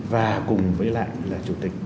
và cùng với lại là chủ tịch